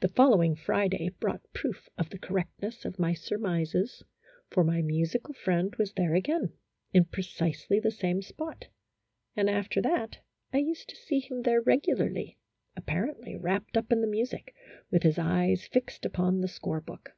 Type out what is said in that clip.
The following Friday brought proof of the cor rectness of my surmises, for my musical friend was there again, in precisely the same spot; and after that I used to see him there regularly, apparently wrapped up in the music, with his eyes fixed upon A HYPOCRITICAL ROMANCE. 2$ the score book.